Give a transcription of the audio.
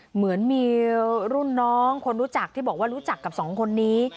เหมือนมีรุ่นน้องคนรู้จักที่บอกว่ารู้จักกับสองคนนี้